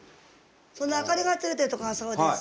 その明かりが付いてるとこがそうです。